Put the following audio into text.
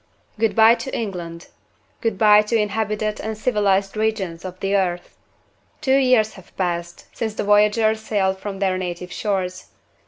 Good by to England! Good by to inhabited and civilized regions of the earth! Two years have passed since the voyagers sailed from their native shores.